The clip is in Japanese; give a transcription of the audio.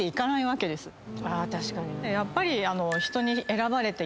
やっぱり。